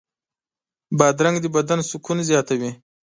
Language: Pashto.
بادرنګ د بدن سکون زیاتوي.